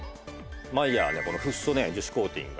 マイヤーのこのフッ素樹脂コーティングがね